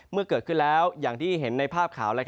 เมื่อเกิดขึ้นแล้วอย่างที่เห็นในภาพข่าว